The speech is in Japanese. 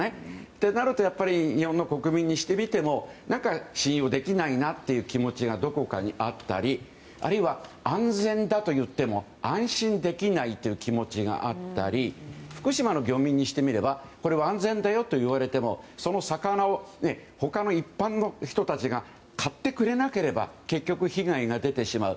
となると、やっぱり日本の国民にしてみても信用できないなっていう気持ちがどこかにあったりあるいは、安全だといっても安心できないという気持ちがあったり福島の漁民にしてみればこれは安全だよと言われてもその魚を他の一般の人たちが買ってくれなければ結局、被害が出てしまう。